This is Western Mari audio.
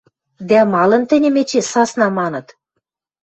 Дӓ малын тӹньӹм эче «сасна» маныт?